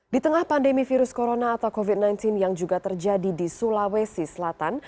di tengah pandemi virus corona atau covid sembilan belas yang juga terjadi di sulawesi selatan